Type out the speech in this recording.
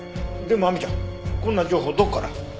でも亜美ちゃんこんな情報どこから？